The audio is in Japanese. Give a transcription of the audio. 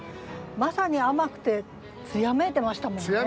まさに甘くて艶めいてましたもんね。